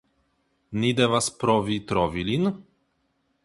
Ni devas provi trovi lin?